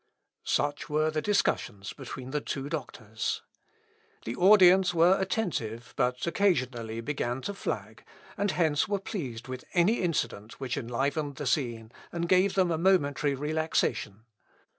Such were the discussions between the two doctors. The audience were attentive but occasionally began to flag, and hence were pleased with any incident which enlivened the scene and gave them a momentary relaxation.